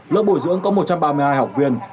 lớp bồi dưỡng có một trăm ba mươi hai học viên